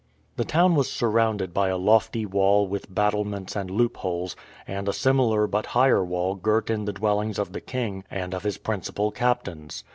The town was surrounded by a lofty wall with battlements and loopholes, and a similar but higher wall girt in the dwellings of the king and of his principal captains.